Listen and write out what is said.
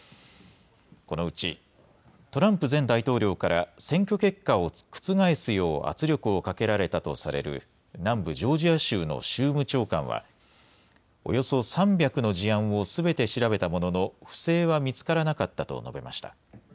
このうち、トランプ前大統領から選挙結果を覆すよう圧力をかけられたとされる南部ジョージア州の州務長官はおよそ３００の事案をすべて調べたものの不正は見つからなかったと述べました。